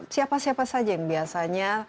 siapa siapa saja yang biasanya